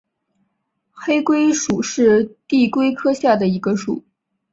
黑龟属是地龟科下的一个属。